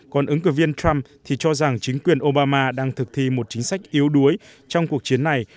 còn ứng cử viên trump thì cho rằng chính quyền obama đang thực thi một chính sách yếu đuối trong cuộc chiến này